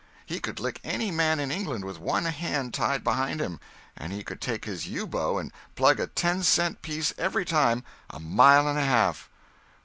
He could lick any man in England, with one hand tied behind him; and he could take his yew bow and plug a ten cent piece every time, a mile and a half."